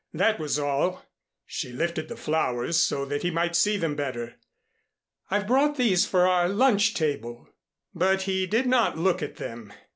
That was all." She lifted the flowers so that he might see them better. "I've brought these for our lunch table." But he did not look at them.